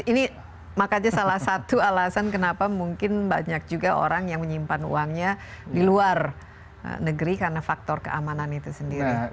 ini makanya salah satu alasan kenapa mungkin banyak juga orang yang menyimpan uangnya di luar negeri karena faktor keamanan itu sendiri